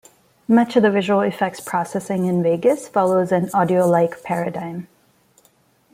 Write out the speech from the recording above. Much of the visual effects processing in Vegas follows an audio-like paradigm.